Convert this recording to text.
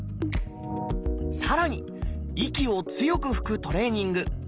さらに息を強く吹くトレーニング。